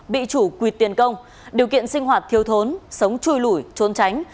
bị chủ quyệt tiền công điều kiện sinh hoạt thiêu thốn sống chui lũi trốn tránh